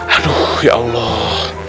aduh ya allah